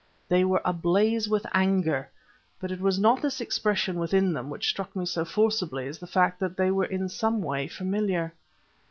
They were ablaze with anger but it was not this expression within them which struck me so forcibly as the fact that they were in some way familiar.